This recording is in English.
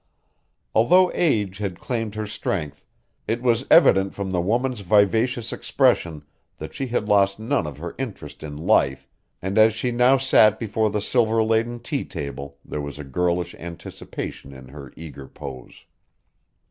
Although age had claimed her strength, it was evident from the woman's vivacious expression that she had lost none of her interest in life and as she now sat before the silver laden tea table there was a girlish anticipation in her eager pose.